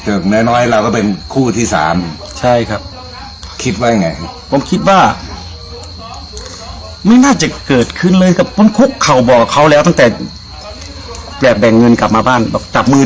ผมก็นอนดูคนเดียวจะมาศึกษานอนดู